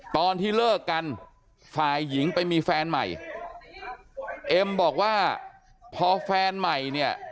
ตอนที่เลิกกันฝ่ายหญิงไปมีแฟนใหม่เอ็มบอกว่าพอแฟนใหม่เนี่ย